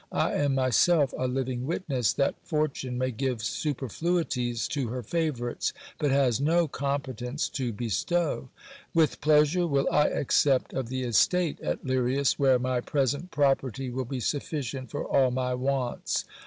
I am myself a living witness, that fortune may give superfluities to her favourites, but has no competence to be stow. With pleasure will I accept of the estate at Lirias, where my present property will be sufficient for all my wants.